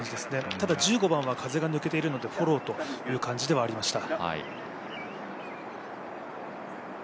ただ１５番は風が抜けているのでフォローという感じではありました。